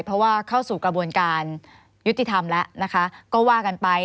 เพราะว่าเข้าสู่กระบวนการยุติธรรมแล้วนะคะก็ว่ากันไป